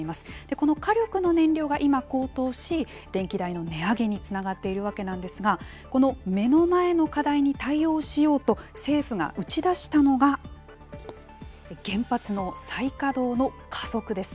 この火力の燃料が今、高騰し電気代の値上げにつながっているわけなんですがこの目の前の課題に対応しようと政府が打ち出したのが原発の再稼働の加速です。